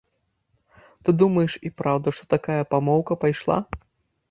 Ты думаеш і праўда, што такая памоўка пайшла?